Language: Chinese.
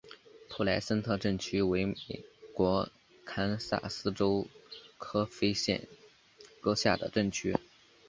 普莱森特镇区为美国堪萨斯州科菲县辖下的镇区。